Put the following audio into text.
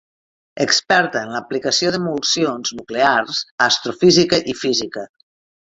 Experta en l'aplicació d'emulsions nuclears a astrofísica i física.